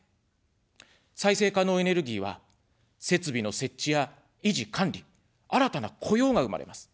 再生可能エネルギーは、設備の設置や維持管理、新たな雇用が生まれます。